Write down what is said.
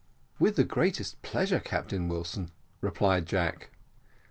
"With the greatest pleasure, Captain Wilson," replied Jack.